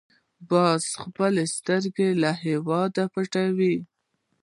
باز خپلې سترګې له هېواده پټوي